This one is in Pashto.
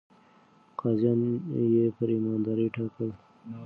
قاضيان يې پر ايماندارۍ ټاکل.